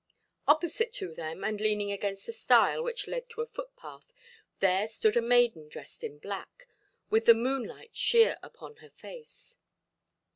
Opposite to them, and leaning against a stile which led to a footpath, there stood a maiden dressed in black, with the moonlight sheer upon her face.